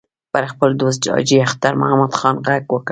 پر خپل دوست حاجي اختر محمد خان غږ وکړ.